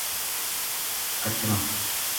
کچراں